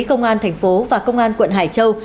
công an thành phố và công an quận hải châu